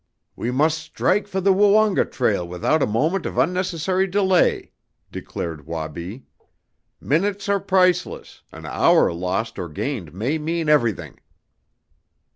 "We must strike for the Woonga trail without a moment of unnecessary delay," declared Wabi. "Minutes are priceless, an hour lost or gained may mean everything!"